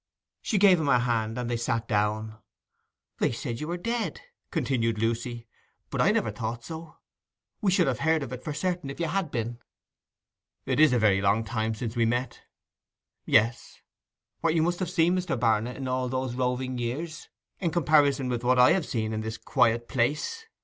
She gave him her hand, and then they sat down. 'They said you were dead,' continued Lucy, 'but I never thought so. We should have heard of it for certain if you had been.' 'It is a very long time since we met.' 'Yes; what you must have seen, Mr. Barnet, in all these roving years, in comparison with what I have seen in this quiet place!